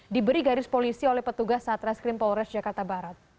diberi garis polisi oleh petugas satreskrim polres jakarta barat